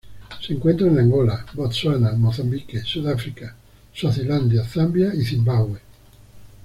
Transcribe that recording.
Se encuentra en Angola, Botsuana, Mozambique, Sudáfrica, Suazilandia, Zambia y Zimbabue.